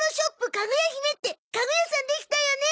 かぐや姫って家具屋さんできたよね。